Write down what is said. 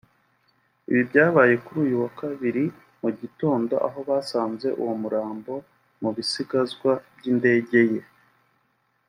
Ibi byabaye kuri uyu wa kabiri mu gitondo aho basanze uwo murambo mu bisigazwa by’indege ye